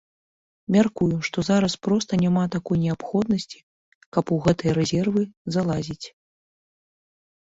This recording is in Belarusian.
Мяркую, што зараз проста няма такой неабходнасці, каб у гэтыя рэзервы залазіць.